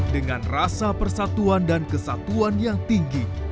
dengan rasa persatuan dan kesatuan yang tinggi